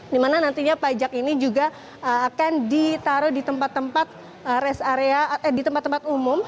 dimana nantinya pajak ini juga akan ditaruh di tempat tempat rest area di tempat tempat umum